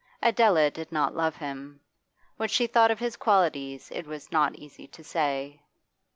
Adela did not love him; what she thought of his qualities it was not easy to say.